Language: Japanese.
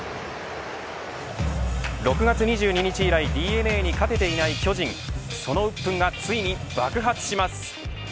６月２２日以来ＤｅＮＡに勝てていない巨人その鬱憤がついに爆発します。